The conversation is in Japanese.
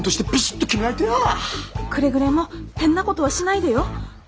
くれぐれも変なことはしないでよ。